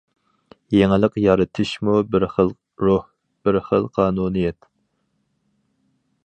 يېڭىلىق يارىتىشمۇ بىر خىل روھ، بىر خىل قانۇنىيەت.